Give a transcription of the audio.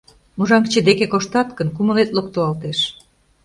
Мужаҥче деке коштат гын, кумылет локтылалтеш.